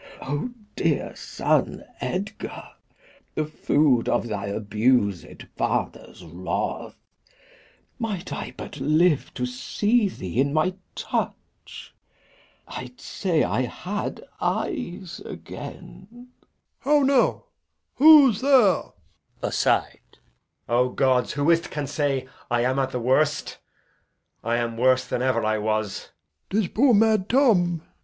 Ah dear son Edgar, The food of thy abused father's wrath! Might I but live to see thee in my touch, I'ld say I had eyes again! Old Man. How now? Who's there? Edg. [aside] O gods! Who is't can say 'I am at the worst'? I am worse than e'er I was. Old Man. 'Tis poor mad Tom.